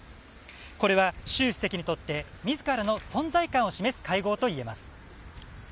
これは習主席にとって自らの存在感を示す会合といえます。